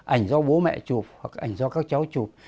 ảnh do bố mẹ chụp hoặc ảnh do các cháu chụp